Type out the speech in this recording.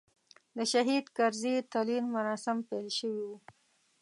د شهید کرزي تلین مراسیم پیل شوي و.